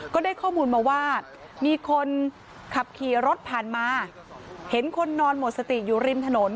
ก็ได้ข้อมูลมาว่ามีคนขับขี่รถผ่านมาเห็นคนนอนหมดสติอยู่ริมถนน